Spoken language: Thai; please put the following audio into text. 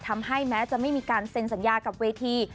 แม้จะไม่มีการเซ็นสัญญากับเวที